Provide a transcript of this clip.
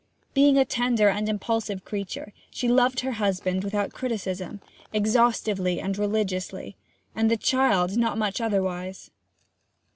Being a tender and impulsive creature, she loved her husband without criticism, exhaustively and religiously, and the child not much otherwise.